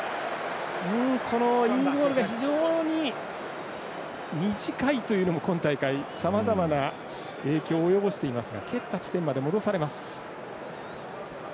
インゴールが非常に短いというのも今大会、さまざまな影響を及ぼしていますが蹴った地点まで、戻されます。